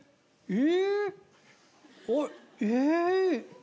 え？